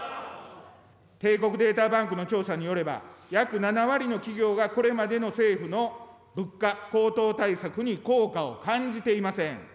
帝国データバンクの調査によれば、約７割の企業がこれまでの政府の物価高騰対策に効果を感じていません。